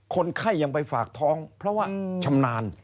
คนไข้ยังไปฝากท้องเพราะว่าชำนาญ